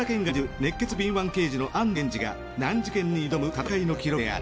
熱血敏腕刑事の安堂源次が難事件に挑む戦いの記録である。